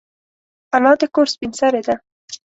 انا د کور سپین سرې ده